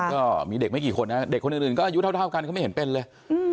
ก็มีเด็กไม่กี่คนนะเด็กคนอื่นอื่นก็อยู่เท่าเท่ากันก็ไม่เห็นเป็นเลยอืม